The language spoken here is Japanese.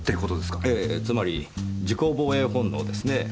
ええつまり自己防衛本能ですねぇ。